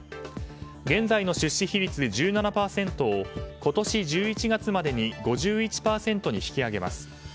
現在の出資比率１７％を今年１１月までに５１％に引き上げます。